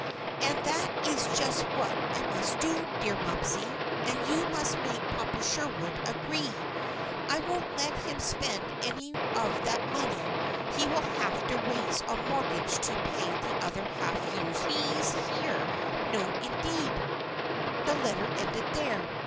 "And that is just what I must do, dear Momsey, and you must make Papa Sherwood agree. I won't let him spend any of that money he will have to raise on mortgage to pay the other half year's fees here. No, indeed!" The letter ended there.